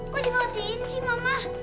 kok dimatikan sih mama